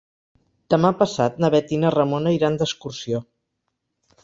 Demà passat na Bet i na Ramona iran d'excursió.